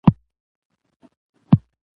ازادي راډیو د کډوال حالت ته رسېدلي پام کړی.